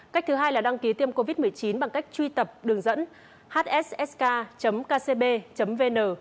cách thứ hai là đăng ký tiêm covid một mươi chín bằng cách truy cập đường dẫn hsk kcb vn